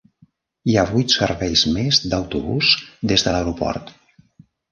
Hi ha vuit serveis més d'autobús des de l'aeroport.